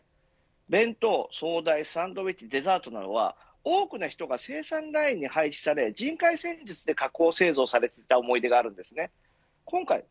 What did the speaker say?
弁当、総菜、サンドイッチデザートなどは多くの人が生産ラインに配置され人海戦術で加工製造されていた思い出があります。